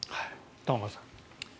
玉川さん。